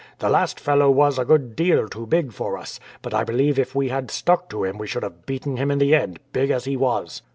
The last fellow was a good deal too big for us, but I believe if we had stuck to him we should have beaten him in the end, big as he was."